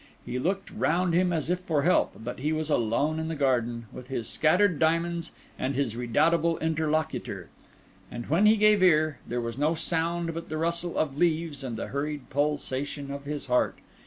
He looked round him as if for help, but he was alone in the garden, with his scattered diamonds and his redoubtable interlocutor; and when he gave ear, there was no sound but the rustle of the leaves and the hurried pulsation of his heart.